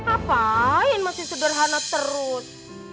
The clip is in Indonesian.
apa yang masih sederhana terus